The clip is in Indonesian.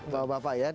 bawa bapak ya